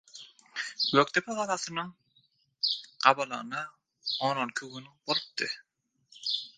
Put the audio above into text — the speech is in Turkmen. Gökdepe galasynyň gabalanyna on-onki gün bolupdy.